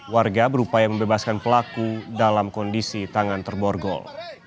warga berupaya membebaskan pelaku dalam kondisi tangan terborgol